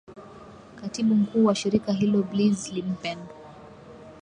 katibu mkuu wa shirika hilo bliz limpen